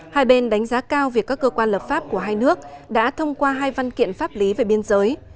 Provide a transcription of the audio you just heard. hai bên đánh giá cao việc các cơ quan lập pháp của hai nước đã thông qua hai văn kiện pháp lý về biên giới